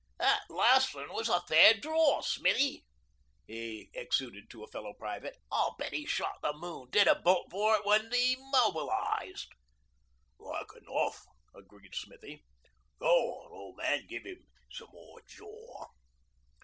'That last 'un was a fair draw, Smithy,' he exulted to a fellow private. 'I'll bet 'e shot the moon, did a bolt for it, when 'e mobilised.' 'Like enough,' agreed Smithy. 'Go on, ol' man. Give 'im some more jaw.'